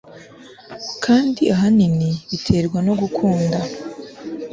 kandi ahanini biterwa no gukunda